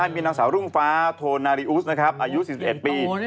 มีหนังสาวรุ่งฟ้าโทนาลิอุสอายุ๔๑ปี